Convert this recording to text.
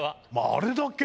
あれだけ。